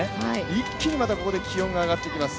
一気にここで気温が上がってきます。